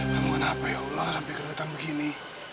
namun kenapa ya allah sampai keregetan begini